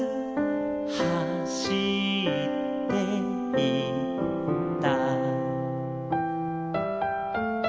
「はしっていった」